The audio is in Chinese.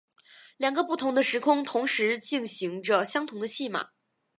两个不同的时空同时进行着相同的戏码。